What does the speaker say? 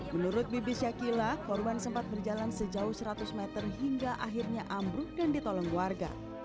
menurut bibi syakila korban sempat berjalan sejauh seratus meter hingga akhirnya ambruk dan ditolong warga